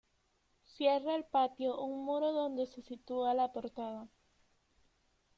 Cierra el patio un muro donde se sitúa la portada.